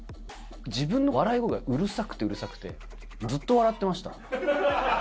自分の笑い声がうるさくて、うるさくて、ずっと笑ってました。